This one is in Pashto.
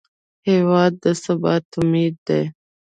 هېواد د ثبات امید دی.